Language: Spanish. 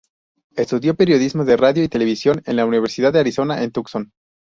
Estudió periodismo de radio y televisión en la Universidad de Arizona, en Tucson.